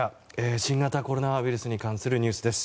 新型コロナウイルスに関するニュースです。